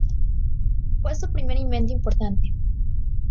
Fue su primer invento importante.